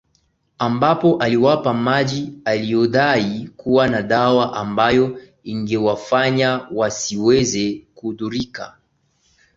ambapo aliwapa maji aliyodai kuwa na dawa ambayo ingewafanya wasiweze kudhurika